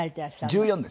１４です。